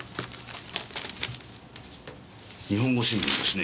日本語新聞ですね。